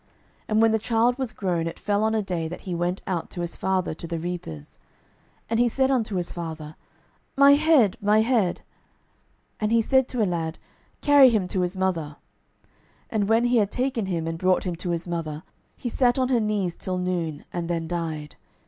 12:004:018 And when the child was grown, it fell on a day, that he went out to his father to the reapers. 12:004:019 And he said unto his father, My head, my head. And he said to a lad, Carry him to his mother. 12:004:020 And when he had taken him, and brought him to his mother, he sat on her knees till noon, and then died.